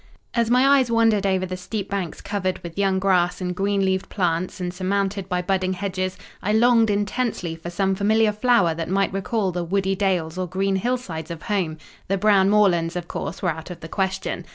As my eyes wandered over the steep banks covered with young grass and green leaved plants, and surmounted by budding hedges, I longed intensely for some familiar flower that might recall the woody dales or green hill sides of home: the brown moorlands, of course, were out of the question.